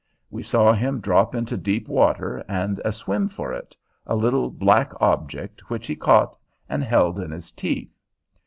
We saw him drop into deep water and swim for it, a little black object, which he caught, and held in his teeth.